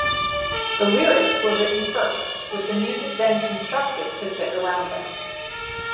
The lyrics were written first, with the music then constructed to fit around them.